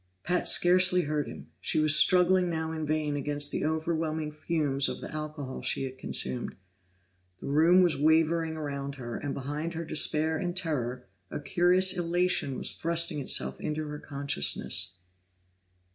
Pat scarcely heard him; she was struggling now in vain against the overwhelming fumes of the alcohol she had consumed. The room was wavering around her, and behind her despair and terror, a curious elation was thrusting itself into her consciousness.